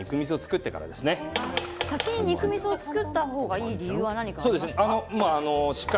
先に肉みそを作った方がいい理由は何ですか。